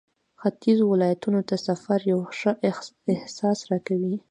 ختيځو ولایتونو ته سفر یو ښه احساس راکوي.